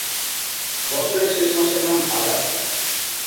বছরের শেষ মাসের নাম আদার।